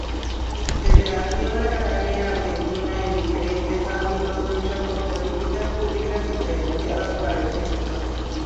Federación Agraria Argentina, en diferentes ámbitos, lucha por políticas públicas diferenciadas para el sector.